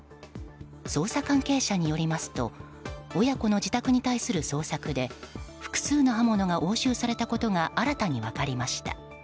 捜査関係者によりますと親子の自宅に対する捜索で複数の刃物が押収されたことが新たに分かりました。